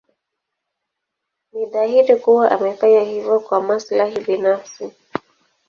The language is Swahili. Ni dhahiri kuwa amefanya hivyo kwa maslahi binafsi.